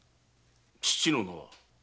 父の名は？